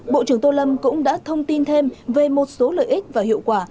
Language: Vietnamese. bộ trưởng tô lâm cũng đã thông tin thêm về một số lợi ích và hiệu quả